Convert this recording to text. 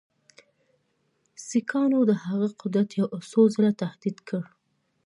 سیکهانو د هغه قدرت څو ځله تهدید کړ.